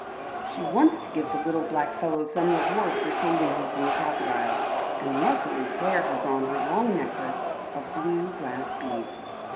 She wants to give the little black fellow some reward for saving her from the crocodile, and luckily Clare has on her long necklace of blue glass beads.